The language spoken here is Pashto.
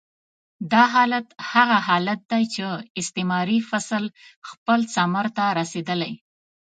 دا حالت هغه حالت دی چې استعماري فصل خپل ثمر ته رسېدلی.